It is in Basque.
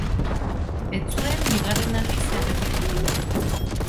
Ez zuen bigarren aldiz errepikatu.